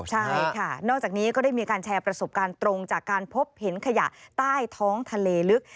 ใช่ค่ะนอกจากนี้ก็ได้มีการแชร์ประสบการณ์ตรงจากการพบเห็นขยะใต้ท้องทะเลลึก